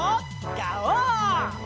ガオー！